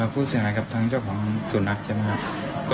ผู้เสียหายครับทางเจ้าของสูตรนักษณ์